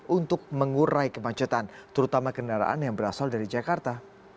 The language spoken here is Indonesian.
untuk mengurai kemacetan terutama kendaraan yang berasal dari jakarta